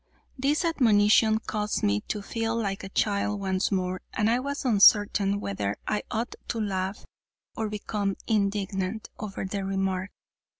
This admonition caused me to feel like a child once more, and I was uncertain whether I ought to laugh or become indignant over the remark.